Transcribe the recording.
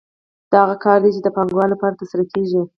دا هغه کار دی چې د پانګوالو لپاره ترسره کېږي